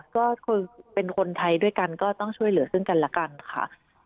ก็คือเป็นคนไทยด้วยกันก็ต้องช่วยเหลือซึ่งกันละกันค่ะ